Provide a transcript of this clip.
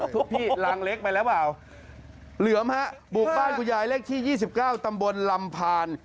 ทุกพี่หลังเล็กไปแล้วอ่าวเหลือมฮะบุกบ้านของยายเลขที่ยี่สิบเก้าตำบลลำพาน